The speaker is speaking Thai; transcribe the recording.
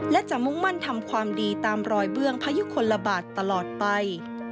และจะมุ่งมั่นทำความดีตามรอยเบื้องพยุคลบาทตลอดไป